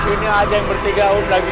ini aja yang bertiga um lagi